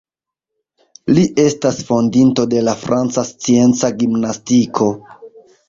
Li estas fondinto de la franca scienca gimnastiko.